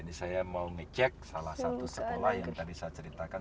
ini saya mau ngecek salah satu sekolah yang tadi saya ceritakan